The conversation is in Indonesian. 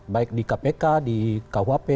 baik di kpk di kuhp